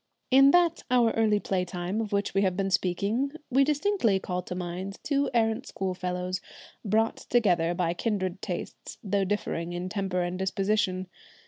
In that our early play time, of which we have been speaking, we distinctly call to mind two errant school fellows, brought together by kindred tastes, though differing in temper and disposition.